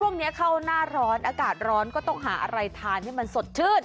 ช่วงนี้เข้าหน้าร้อนอากาศร้อนก็ต้องหาอะไรทานให้มันสดชื่น